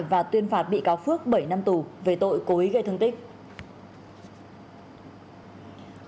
và tuyên phạt bị cáo phước bảy năm tù về tội cố ý gây thương tích